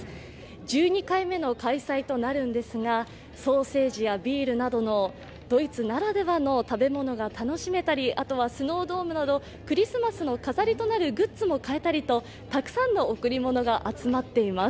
１２回目の開催となるんですがソーセージやビールなどのドイツならではの食べ物が楽しめたりあとはスノードームなどクリスマスの飾りとなるグッズも買えたりとたくさんの贈り物が詰まっています。